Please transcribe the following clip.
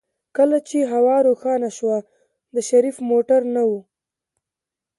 کله چې هوا روښانه شوه د شريف موټر نه و.